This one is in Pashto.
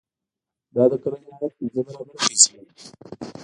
دا د کلني عاید پنځه برابره پیسې دي.